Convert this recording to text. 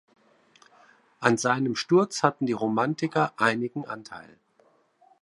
An seinem Sturz hatten die Romantiker einigen Anteil.